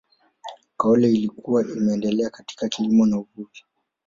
kaole ilikuwa imeendelea katika kilimo na uvuvi